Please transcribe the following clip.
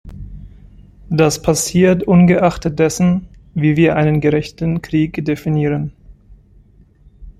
Das passiert ungeachtet dessen, wie wir einen gerechten Krieg definieren.